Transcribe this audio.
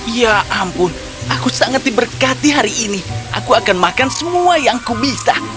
ya ampun aku sangat diberkati hari ini aku akan makan semua yang kubisa